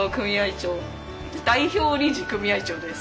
長代表理事組合長です。